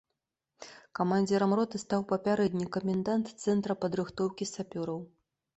Камандзірам роты стаў папярэдні камендант цэнтра падрыхтоўкі сапёраў.